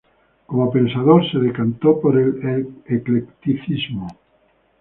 Como pensador se decantó por el eclecticismo.